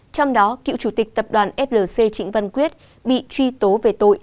trong đó cựu chủ tịch tập đoàn flc trịnh văn quyết bị truy tố về tội